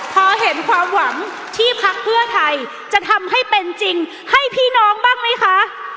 พอเห็นความหวังที่พักเพื่อไทยจะทำให้เป็นจริงให้พี่น้องบ้างไหมคะ